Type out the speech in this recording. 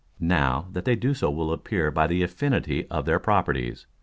Now, that they do so will appear by the affinity of their Properties.